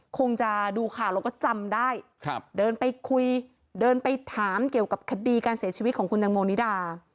คงจะดูข่าวแล้วก็จำได้เดินไปคุยเดินไปถามเกี่ยวกับคดีการเสียชีวิตของคุณตังโมนิดา